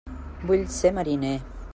Vull ser mariner!